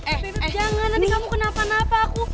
eh jangan nanti kamu kenapa napa aku